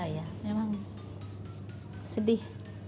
ya memang sedih